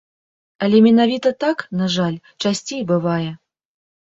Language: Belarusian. Але менавіта так, на жаль, часцей і бывае.